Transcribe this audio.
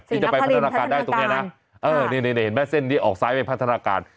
ที่จะไปพัฒนาการได้ตรงนี้นะนี่เห็นไหมเส้นนี้ออกซ้ายไปพัฒนาการ